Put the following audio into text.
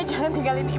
jangan tinggalin ibu ya